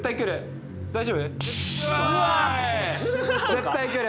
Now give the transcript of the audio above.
絶対来る！